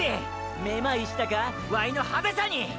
めまいしたかワイの派手さに！！